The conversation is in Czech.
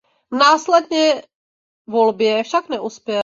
V následné volbě však neuspěl.